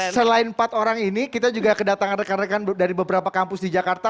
selain empat orang ini kita juga kedatangan rekan rekan dari beberapa kampus di jakarta